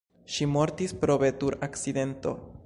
Ŝi mortis pro vetur-akcidento.